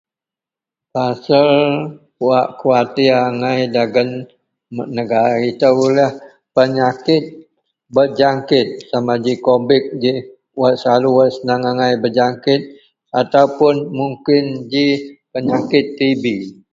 pasel wak khawatir agai dagen negara itoulah penyakit berjangkit sama ji kovid ji wak selalu wak senang agai berjangkit ataupun mungkin ji penyakit tv